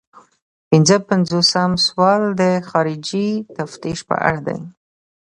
پنځه پنځوسم سوال د خارجي تفتیش په اړه دی.